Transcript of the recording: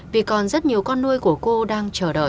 vì còn rất nhiều con nuôi của cô đang chờ đợi